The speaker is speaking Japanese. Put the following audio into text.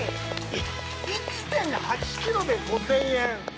１．８ｋｇで５０００円。